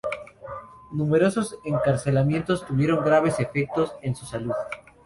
Numerosos encarcelamientos tuvieron graves efectos en su salud.